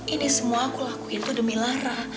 ini semua aku lakuin itu demi lara